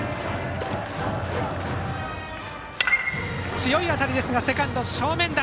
強い当たりですがセカンド正面。